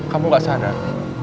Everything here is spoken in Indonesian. kamu gak sadar